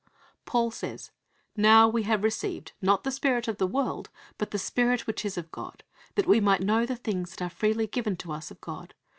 Paul says: "Now we have received, not the spirit of the world, but the Spirit which is of God; that we might know the things that are freely given to us of God.